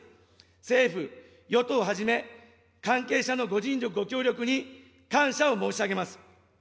政府・与党はじめ、関係者のご尽力、ご協力に感謝を申し上げます。